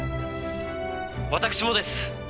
私もです。